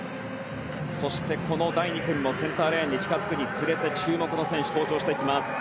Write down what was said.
そして、第２組もセンターレーンに近づくにつれて注目の選手が登場してきます。